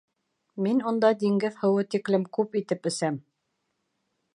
Мин унда диңгеҙ һыуы тиклем күп итеп әсәм.